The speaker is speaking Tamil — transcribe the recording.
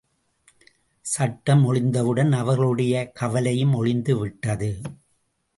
சட்டம் ஒழிந்தவுடன் அவர்களுடைய கவலையும் ஒழிந்து விட்டது.